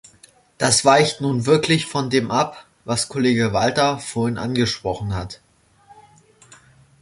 Das weicht nun wirklich von dem ab, was Kollege Walter vorhin angesprochen hat.